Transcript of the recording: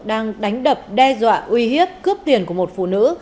đang đánh đập đe dọa uy hiếp cướp tiền của một phụ nữ